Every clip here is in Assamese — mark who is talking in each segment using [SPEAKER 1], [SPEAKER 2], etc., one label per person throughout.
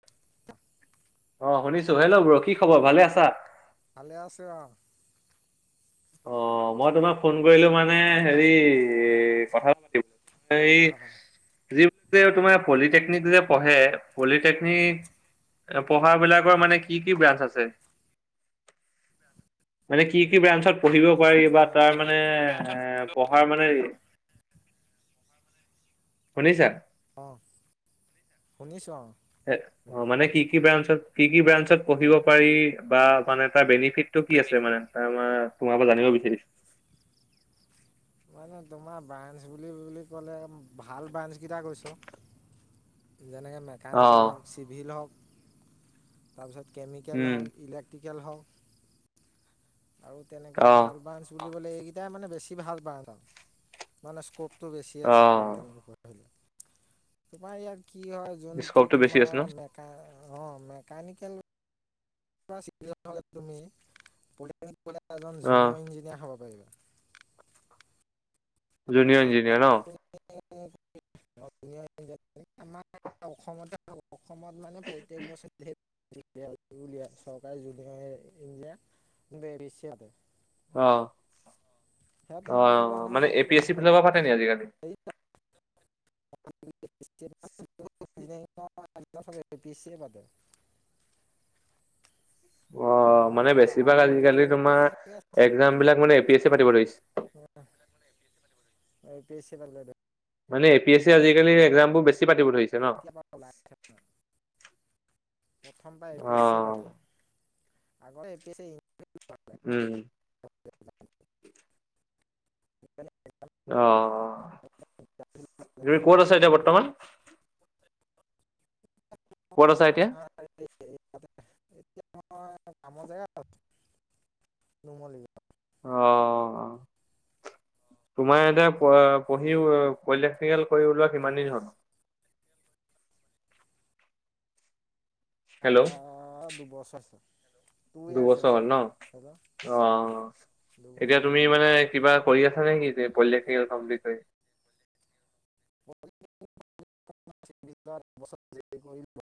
[SPEAKER 1] [inaudible]
[SPEAKER 2] অ', শুনিছোঁ, হেল্ল' ব্ৰ কি খবৰ ভালে আছা?
[SPEAKER 1] ভালে আছোঁ অ'।
[SPEAKER 2] অ', মই তোমা ফোন কৰিলো মানে হেৰি কথা পাতিম। এই
[SPEAKER 1] অ
[SPEAKER 2] যি টোতে তোমাৰ পলিটেকনিক যে পঢ়ে, পলিটেকনিক পঢ়া বিলাকৰ মানে কি কি ব্ৰাঞ্চ আছে? মানে কি কি ব্ৰাঞ্চত পঢ়িব পাৰি বা
[SPEAKER 1] তোমাৰ
[SPEAKER 2] তাৰ মানে এ ব হয় মানে, শুনিছা?
[SPEAKER 1] অ', শুনিছোঁ অ'।
[SPEAKER 2] অ', মানে কি কি ব্ৰাঞ্চত কি কি ব্ৰাঞ্চত পঢ়িব পাৰি বা মানে এটা বেনি ফিটটো কি আছে মানে? তাৰ আমাৰ তোমাৰ পৰা জানিব বিচাৰিছোঁ।
[SPEAKER 1] মানে তোমাৰ ব্ৰাঞ্চ বুলি বুলি ক'লে, ভাল ব্ৰাঞ্চ কেইটা কৈছোঁ। যেনেকে মে
[SPEAKER 2] অ
[SPEAKER 1] কানিকেল হওক, চিভিল হওক। তাৰপিছত কেমিকেল
[SPEAKER 2] উম
[SPEAKER 1] হওক, ইলেক্ট্ৰিকেল হওক। আৰু তেনেকে
[SPEAKER 2] অ
[SPEAKER 1] ভাল ব্ৰাঞ্চ বুলি ক'লে এইকেইটাই মানে বেছি ভাল ব্ৰাঞ্চ আৰু। মানে স্ক তো বেছি আছে
[SPEAKER 2] অ
[SPEAKER 1] পলিটেকনিকত ধৰি লোৱা। তোমাৰ ইয়াত কি হয় যোনটো
[SPEAKER 2] স্কপটো বেছি আছে ন?
[SPEAKER 1] তোমাৰ মেকা অ', মেকানিকেল [unintelligible] তুমি, পলিটেকনিক পঢ়িলে এজন জুনিয়ৰ
[SPEAKER 2] অ',
[SPEAKER 1] ইঞ্জিনিয়াৰ হ'ব পাৰিবা।
[SPEAKER 2] জুনিয়ৰ
[SPEAKER 1] [unintelligible]
[SPEAKER 2] ইঞ্জিনিয়াৰ ন?
[SPEAKER 1] [unintelligible] আমাৰ অসমত [unintelligible] অসমত মানে প্ৰত্যেক বছৰে [unintelligible] [unintelligible] উলিয়াই চৰকাৰে জুনিয়ৰ ইঞ্জিনিয়াৰ বেছি [unintelligible]
[SPEAKER 2] অ',
[SPEAKER 1] সেয়াত সোমাব পাৰিবা
[SPEAKER 2] অ',
[SPEAKER 1] নহ'বা
[SPEAKER 2] মানে এ পি এছ চিৰ ফালৰ পৰা পাতে নি আজিকালি?
[SPEAKER 1] [unintelligible] [unintelligible]
[SPEAKER 2] [inaudible] অ মানে
[SPEAKER 1] তোমাৰ
[SPEAKER 2] বেছিভাগ
[SPEAKER 1] আৰু
[SPEAKER 2] আজিকালি
[SPEAKER 1] এ
[SPEAKER 2] তোমাৰ এ্কজাম বিলাক মানে এ পি এছ পাতিব ধৰিছে।
[SPEAKER 1] হয়। এই পি এচি পাতিব
[SPEAKER 2] মানে এই পি এচি আজিকালি একজাম বোৰ বেছি পাতিব ধৰিছে। ন?
[SPEAKER 1] কেতিয়াৰ লাই প্ৰথমবাৰ এ পি এচিয়ে
[SPEAKER 2] অ',
[SPEAKER 1] কাতে আগতে এই পি এচি
[SPEAKER 2] উম।
[SPEAKER 1] [unintelligible]
[SPEAKER 2] অ তুমি ক'ত আছা এতিয়া বৰ্তমান? ক'ত আছা এতিয়া?
[SPEAKER 1] [unintelligible] এতিয়া মই‌ কামৰ জেগাত নুমলী
[SPEAKER 2] অ, তোমাৰ এতিয়া প পঢ়ি পটকনিকেল কৰি ওলোৱা কিমান দিন হ'ল। হেল্ল'
[SPEAKER 1] অ দুবছৰ। টু ইয়াৰ্চ
[SPEAKER 2] দুবছৰ
[SPEAKER 1] হৈছে।
[SPEAKER 2] হ'ল ন
[SPEAKER 1] হেল্ল'
[SPEAKER 2] অ এতিয়া
[SPEAKER 1] দুবছৰ
[SPEAKER 2] তুমি মানে কিবা কৰি আছা নেকি যে পলিটেকনিকেল কমপ্লিট কৰি
[SPEAKER 1] [inaudible]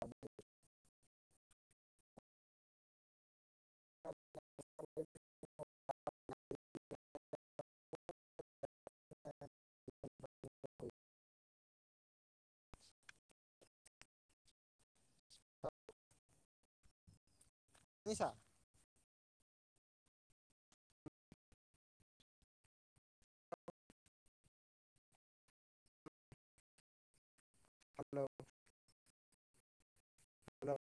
[SPEAKER 1] [unintelligible] শুনিছা। Hello, hello,